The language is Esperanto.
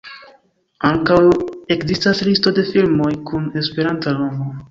Ankaŭ ekzistas Listo de Filmoj kun esperanta nomo.